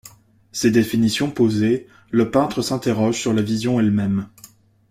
Ces définitions posées, le peintre s'interroge sur la vision elle-même.